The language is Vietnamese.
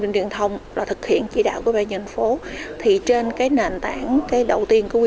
trình điện thông là thực hiện chỉ đạo của bệnh nhân phố thì trên cái nền tảng cái đầu tiên của quy